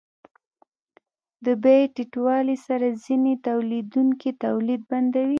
د بیې ټیټوالي سره ځینې تولیدونکي تولید بندوي